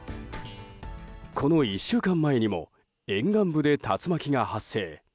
この１週間前にも沿岸部で竜巻が発生。